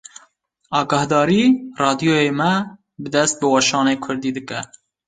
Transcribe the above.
Agahdarî! Radyoya me dest bi weşana Kurdî dike